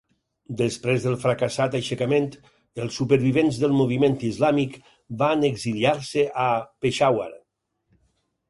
Després del fracassat aixecament, els supervivents del moviment islàmic van exiliar-se a Peshawar.